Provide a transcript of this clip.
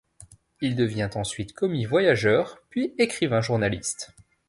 Il devient ensuite commis-voyageur puis écrivain-journaliste.